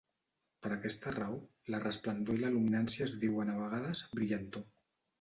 Per aquesta raó, la resplendor i la luminància es diuen a vegades "brillantor".